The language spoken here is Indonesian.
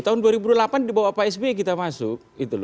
tahun dua ribu delapan dibawa pak sby kita masuk